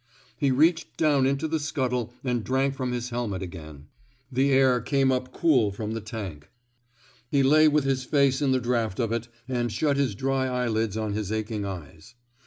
He reached down into the scuttle and drank from his helmet again. The air came up cool 211 f THE SMOKE EATERS from the tank. He lay with his face in the draft of it, and shut his dry eyelids on his aching eyes.